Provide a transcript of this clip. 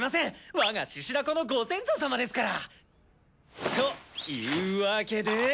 我が獅子だこのご先祖様ですから。というわけで。